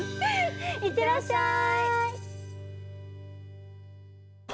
行ってらっしゃい。